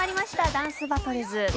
『ダンスバトルズ』おお。